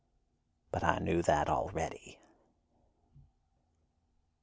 But I knew that, already."